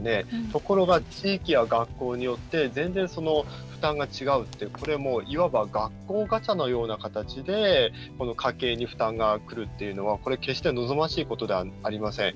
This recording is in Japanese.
ところが、地域や学校によって全然、負担が違うってこれはもういわば学校ガチャのような形で家計に負担がくるっていうのは決して望ましいことではありません。